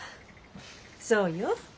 そうよ。